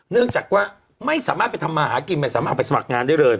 เนื่องจากว่าไม่สามารถไปทำมาหากินไม่สามารถเอาไปสมัครงานได้เลย